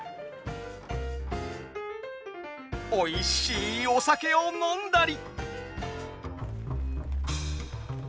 おいしいお酒を飲んだり。